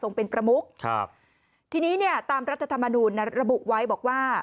เป็นประมุกครับทีนี้เนี่ยตามรัฐธรรมนูญระบุไว้บอกว่า